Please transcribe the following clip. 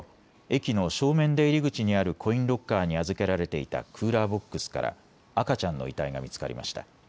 駅の正面出入り口にあるコインロッカーに預けられていたクーラーボックスから赤ちゃんの遺体が見つかりました。